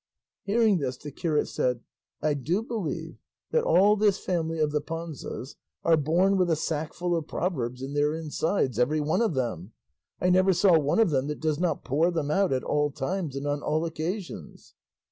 Hearing this the curate said, "I do believe that all this family of the Panzas are born with a sackful of proverbs in their insides, every one of them; I never saw one of them that does not pour them out at all times and on all occasions."